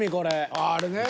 あああれね。